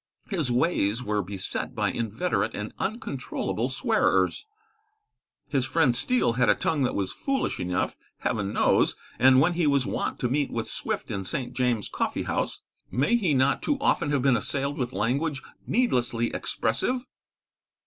His ways were beset by inveterate and uncontrollable swearers. His friend Steele had a tongue that was foolish enough, heaven knows; and when he was wont to meet with Swift in St. James' Coffee House, may he not too often have been assailed with language needlessly expressive?